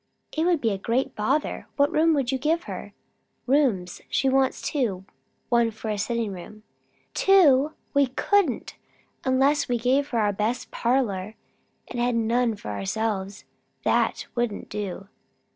"It would be a great bother. What room would you give her?" "Rooms. She wants two. One for a sitting room." "Two! We couldn't, unless we gave her our best parlour, and had none for ourselves. That wouldn't do."